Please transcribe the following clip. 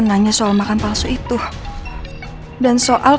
kenapa aku diperlakukan seperti ini